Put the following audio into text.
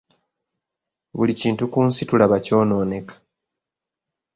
Buli kintu ku nsi tulaba ky'onooneka.